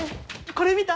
これ見た？